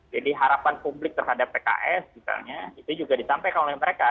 jadi harapan publik terhadap pks misalnya itu juga ditampaikan oleh mereka